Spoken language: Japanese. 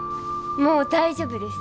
もう大丈夫です。